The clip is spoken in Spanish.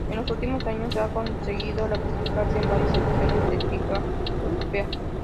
En los últimos años ha conseguido clasificarse en varias ediciones de la Liga Europea.